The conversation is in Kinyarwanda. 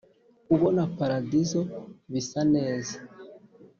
kubona paradizo bisa neza.